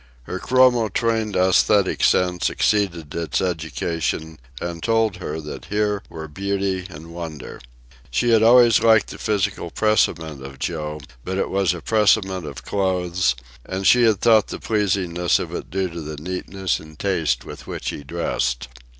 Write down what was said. Her chromo trained aesthetic sense exceeded its education and told her that here were beauty and wonder. She had always liked the physical presentment of Joe, but it was a presentment of clothes, and she had thought the pleasingness of it due to the neatness and taste with which he dressed.